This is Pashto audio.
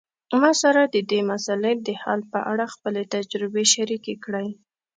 ما سره د دې مسئلې د حل په اړه خپلي تجربي شریکي کړئ